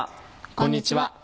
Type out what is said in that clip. こんにちは。